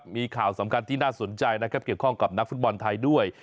มีข่าวสำคัญที่น่าสนใจนะครับเกี่ยวข้องกับนักฟุตบอลไทยด้วย